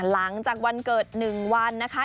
หลังจากวันเกิด๑วันนะคะ